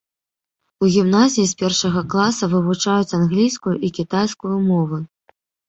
У гімназіі з першага класа вывучаюць англійскую і кітайскую мовы.